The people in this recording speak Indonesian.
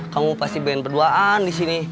kamu pasti band berduaan disini